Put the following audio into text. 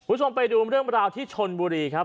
คุณผู้ชมไปดูเรื่องราวที่ชนบุรีครับ